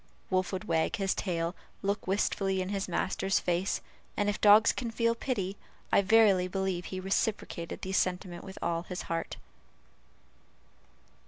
Wolf would wag his tail, look wistfully in his master's face, and if dogs can feel pity, I verily believe he reciprocated the sentiment with all his heart.